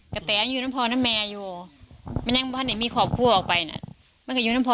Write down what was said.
แม่นมันก็ไม่เข้าใจกันแค่นั้นเอง